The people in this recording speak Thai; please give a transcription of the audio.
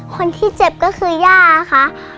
คนที่เจ็บก็คือย่าค่ะ